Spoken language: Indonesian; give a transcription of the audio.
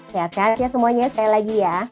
sehat sehat semuanya sekali lagi ya